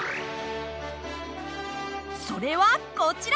それはこちら！